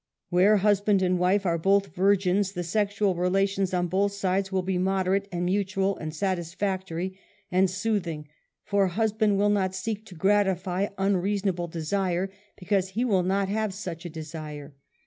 ^ Where husband and wife are both virgins, sexual relations on both sides will be moderate and : mutual, and satisfactory, and soothing, for husband will not seek to gratify unreasonable desire, because^ he will not have such a desire.